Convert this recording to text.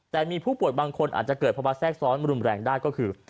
แต่มีผู้ป่วยบางคนอาจจะเกิดภาวะแทรกซ้อนรุนแรงได้ก็คือ